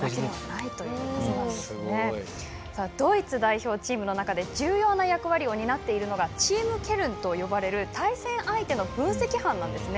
ドイツ代表チームの中で重要な役割を担っているのがチームケルンと呼ばれる対戦相手の分析班なんです。